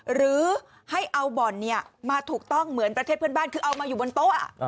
หรือให้เอาบ่อนมาถูกต้องเหมือนประเทศเพื่อนบ้านคือเอามาอยู่บนโต๊ะ